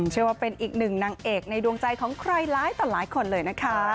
เชื่อว่าเป็นอีกหนึ่งนางเอกในดวงใจของใครหลายต่อหลายคนเลยนะคะ